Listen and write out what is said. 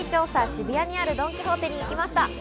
渋谷にあるドン・キホーテに行きました。